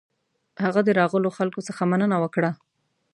هغه د راغلو خلکو څخه مننه وکړه.